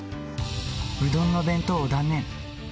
うどんの弁当を断念。